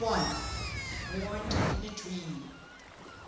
WARNED IN A DREAM.